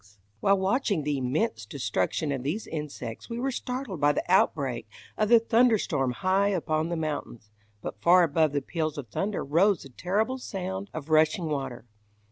[Illustration: AFLOAT WITH A TIGER°] While watching the immense destruction of these insects we were startled by the outbreak of the thunderstorm high up on the mountains, but far above the peals of thunder rose the terrible sound of rushing water.